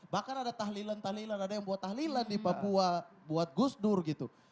bahkan ada tahlilan tahlilan ada yang buat tahlilan di papua buat gus dur gitu